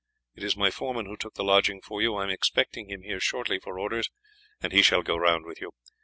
It is my foreman who took the lodging for you; I am expecting him here shortly for orders, and he shall go round with you.